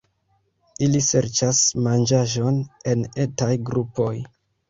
Ili serĉas manĝaĵon en etaj grupoj.